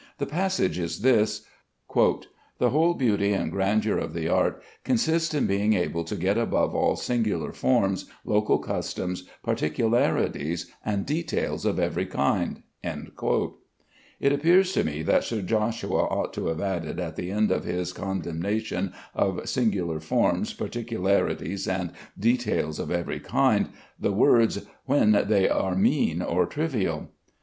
The passage is this: "The whole beauty and grandeur of the art consists in being able to get above all singular forms, local customs, particularities, and details of every kind." It appears to me that Sir Joshua ought to have added at the end of his condemnation of "singular forms, particularities, and details of every kind," the words, "when they are mean or trivial."